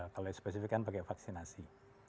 kalau yang spesifik kan pakai vaksinasi